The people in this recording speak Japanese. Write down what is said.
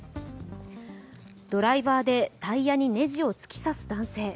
ドライバーでタイヤにねじを突き刺す男性。